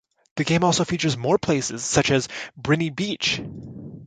The game also features more places, such as Briny Beach.